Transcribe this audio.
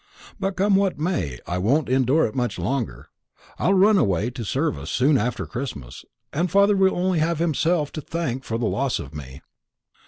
But come what may, I won't endure it much longer. I'll run away to service soon after Christmas, and father will only have himself to thank for the loss of me."